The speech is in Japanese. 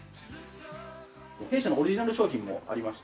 弊社のオリジナル商品もありまして。